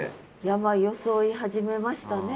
山粧い始めましたね。